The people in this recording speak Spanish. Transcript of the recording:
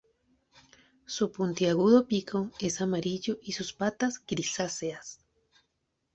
Su puntiagudo pico es amarillo y sus patas grisáceas.